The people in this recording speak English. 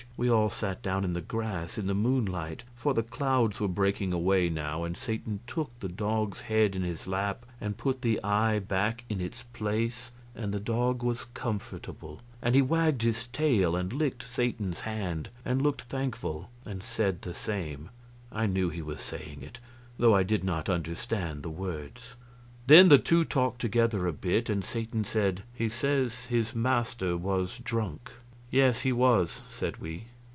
We all sat down in the grass, in the moonlight, for the clouds were breaking away now, and Satan took the dog's head in his lap and put the eye back in its place, and the dog was comfortable, and he wagged his tail and licked Satan's hand, and looked thankful and said the same; I knew he was saying it, though I did not understand the words. Then the two talked together a bit, and Satan said: "He says his master was drunk." "Yes, he was," said we.